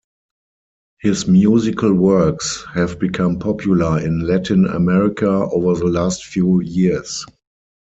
His musical works have become popular in Latin America over the last few years.